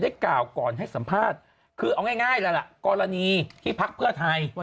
กล่าวก่อนให้สัมภาษณ์คือเอาง่ายแล้วล่ะกรณีที่พักเพื่อไทย